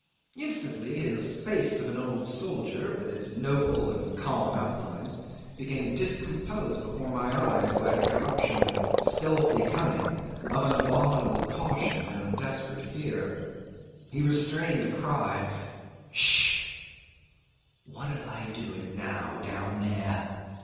Instantly his face of an old soldier, with its noble and calm outlines, became decomposed before my eyes by the corruption of stealthy cunning, of an abominable caution and of desperate fear. He restrained a cry "Ssh! what are they doing now down there?"